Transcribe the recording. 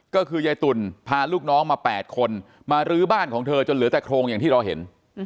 ก็คือยายตุ่นพาลูกน้องมา๘คนมารื้อบ้านของเธอจนเหลือแต่โครงอย่างที่เราเห็น